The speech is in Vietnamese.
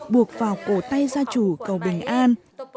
buộc vào cầu tay gia chủ cầu bình an